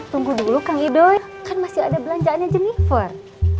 tunggu dulu kang idoy kan masih ada belanjaannya jennifer